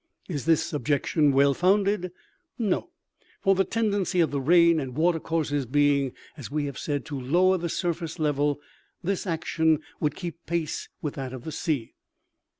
Is this objection well founded ? No ; for the tendency of the rain and water courses being, as we have said, to lower the surface level, this action would keep pace with that of the sea.